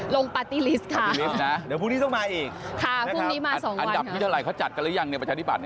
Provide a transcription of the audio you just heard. ลงปาร์ตี้ลิสต์ค่ะนะครับอันดับพิจารย์เขาจัดกันหรือยังประชาธิปัตย์